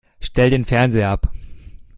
Stell den Fernseher ab!